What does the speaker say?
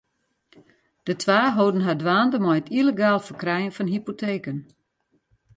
De twa holden har dwaande mei it yllegaal ferkrijen fan hypoteken.